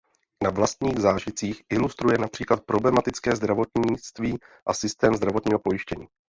Na vlastních zážitcích ilustruje například problematické zdravotnictví a systém zdravotního pojištění.